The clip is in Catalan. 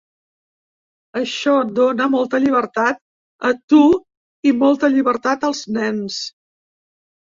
Això dóna molta llibertat a tu i molta llibertat als nens.